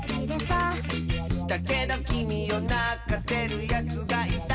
「だけどきみをなかせるやつがいたら」